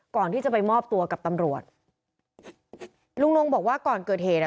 ก่อนที่จะไปมอบตัวกับตำรวจลุงนงบอกว่าก่อนเกิดเหตุอ่ะ